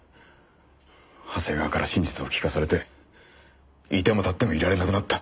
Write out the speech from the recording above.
長谷川から真実を聞かされていてもたってもいられなくなった。